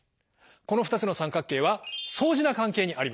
この２つの三角形は相似な関係にあります。